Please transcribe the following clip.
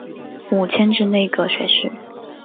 五迁至内阁学士。